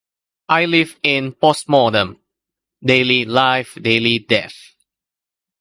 I live in postmortem... daily life, daily death.